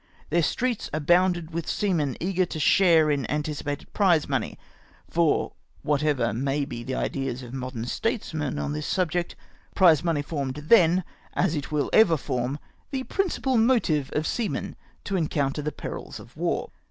Their streets abounded with seamen easi:er to share in anticipated prize money — for whatever may be the ideas of modern statesmen on this subject, prize money formed then, as it will ever form, the principal motive of seamen to encounter the perils of wai\ E 3 J4 PRIZE MOXEY, THE LEADING MOTIVE OP SE.UIEN.